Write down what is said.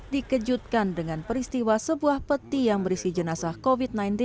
dikejutkan dengan peristiwa sebuah peti yang berisi jenazah covid sembilan belas